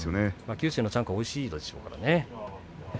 九州のちゃんこはおいしいでしょうからね。